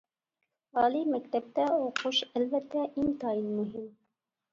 ئالىي مەكتەپتە ئوقۇش ئەلۋەتتە ئىنتايىن مۇھىم.